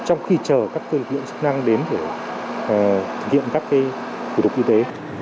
trong khi chờ các cơ lực lượng sức năng đến để thực hiện các phục vụ y tế